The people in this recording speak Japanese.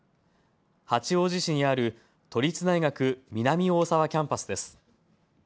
八王子市にある都立大学南大沢キャンパスです。